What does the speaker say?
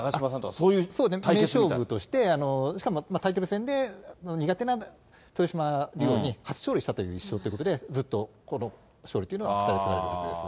そうですね、名勝負として、しかもタイトル戦で、苦手な豊島竜王に初勝利したという１勝ということで、ずっとこの勝利というのは語り継がれるはずです。